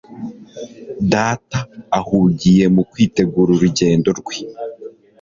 Data ahugiye mu kwitegura urugendo rwe